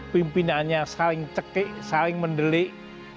pimpinannya saling cekek saling mendelik